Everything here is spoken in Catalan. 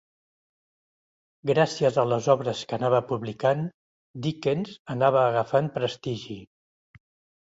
Gràcies a les obres que anava publicant, Dickens anava agafant prestigi.